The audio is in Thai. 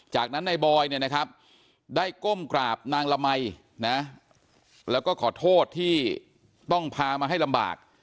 จากนั้นในบอยได้ก้มกราบนางละมัยแล้วก็ขอโทษที่ต้องพามาให้ลำบาก